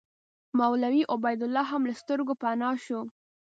مولوي عبیدالله هم له سترګو پناه شو.